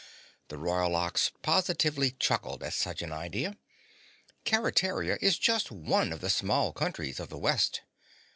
The Royal Ox positively chuckled at such an idea. "Keretaria is just one of the small countries of the West.